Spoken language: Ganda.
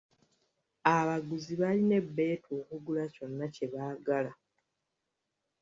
Abaguzi balina ebeetu okugula kyonna kye baagala.